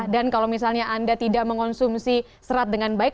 kalau misalnya anda tidak mengonsumsi serat dengan baik